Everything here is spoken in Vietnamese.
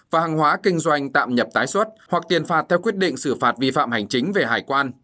và hàng hóa kinh doanh tạm nhập tái xuất hoặc tiền phạt theo quyết định xử phạt vi phạm hành chính về hải quan